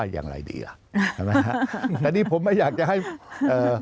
อย่างไรดีล่ะใช่ไหมฮะแต่นี่ผมไม่อยากจะให้เอ่อ